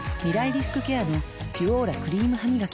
リスクケアの「ピュオーラ」クリームハミガキ